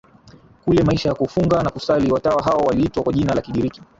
kule maisha ya kufunga na kusali Watawa hao waliitwa kwa jina la Kigiriki